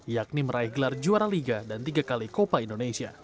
yakni meraih gelar juara liga dan tiga kali kopa indonesia